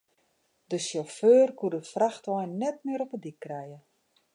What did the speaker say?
De sjauffeur koe de frachtwein net mear op de dyk krije.